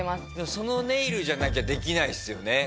そのネイルじゃなきゃできないですよね。